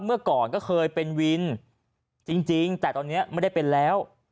เมื่อก่อนก็เคยเป็นวินจริงแต่ตอนนี้ไม่ได้เป็นแล้ว